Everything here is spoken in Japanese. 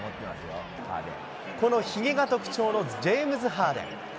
このひげが特徴のジェームズ・ハーデン。